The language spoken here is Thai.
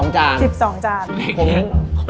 ๑๒จาน